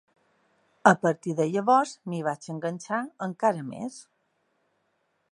A partir de llavors m’hi vaig enganxar encara més.